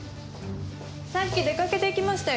さっき出かけていきましたよ。